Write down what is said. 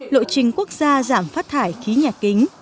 lộ trình quốc gia giảm phát thải khí nhà kính